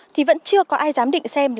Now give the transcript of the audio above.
thì vẫn chưa có ai dám định xem